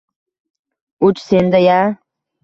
“Uch? Senda-ya?